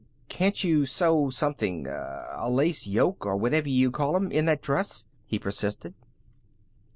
"Can't you sew something a lace yoke or whatever you call 'em in that dress?" he persisted.